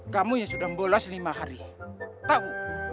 kamu yang sudah membolas lima hari tahu